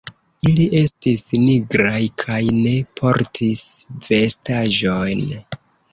Ili estis nigraj, kaj ne portis vestaĵon.